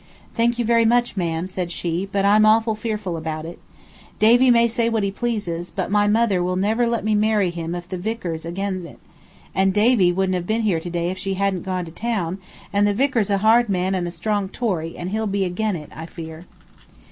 "Thank you very much, ma'am," said she, "but I'm awful fearful about it. Davy may say what he pleases, but my mother never will let me marry him if the vicar's agen it; and Davy wouldn't have been here to day if she hadn't gone to town; and the vicar's a hard man and a strong Tory, and he'll always be agen it, I fear."